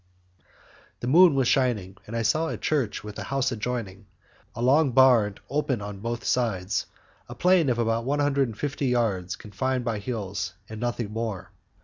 The moon was shining, and I saw a church with a house adjoining, a long barn opened on both sides, a plain of about one hundred yards confined by hills, and nothing more.